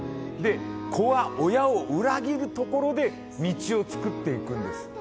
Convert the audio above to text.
子は親を裏切るところで道を作っていくんです。